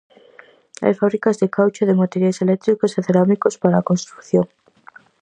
Hai fábricas de caucho e de materiais eléctricos e cerámicos para a construción.